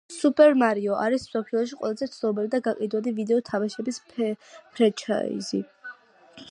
Super Mario არის მსოფლიოში ყველაზე ცნობილი და გაყიდვადი ვიდეო თამაშების ფრენჩაიზი